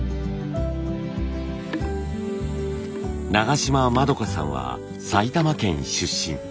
長島まどかさんは埼玉県出身。